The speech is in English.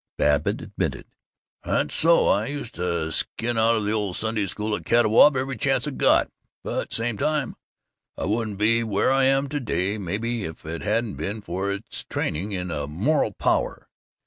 Babbitt admitted, "That's so. I used to skin out of the ole Sunday School at Catawba every chance I got, but same time, I wouldn't be where I am to day, maybe, if it hadn't been for its training in in moral power.